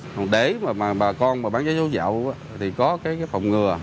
hồng đế mà bà con bán vé số giả thì có cái phòng ngừa